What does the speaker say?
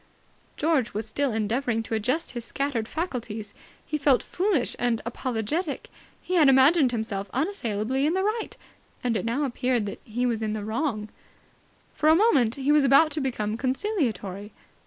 George was still endeavouring to adjust his scattered faculties. He felt foolish and apologetic. He had imagined himself unassailably in the right, and it now appeared that he was in the wrong. For a moment he was about to become conciliatory.